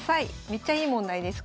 めっちゃいい問題です